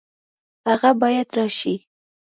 هغه باید راشي